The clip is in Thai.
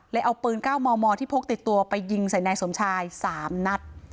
และเอาปืนก้าวมอที่โพกติดตัวไปยิงศัยนายสมชาย๓นัด